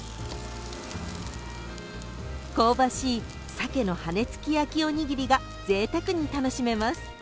［香ばしいサケの羽根つき焼きおにぎりがぜいたくに楽しめます］